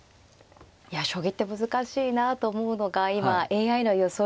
将棋って難しいなと思うのが今ＡＩの予想